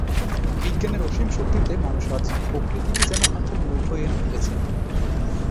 বিজ্ঞানের অসীম শক্তিতে মানুষ আজ প্রকৃতিকে যেন হাতের মুঠোয় এনে ফেলেছে।